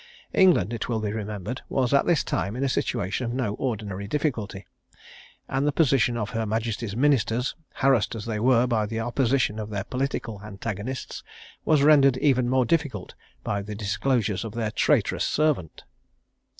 England, it will be remembered, was at this time in a situation of no ordinary difficulty; and the position of her Majesty's ministers, harassed as they were by the opposition of their political antagonists, was rendered even more difficult by the disclosures of their traitorous servant.